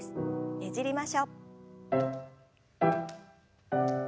ねじりましょう。